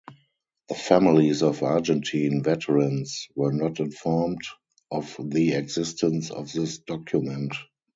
The families of Argentine veterans were not informed of the existence of this document.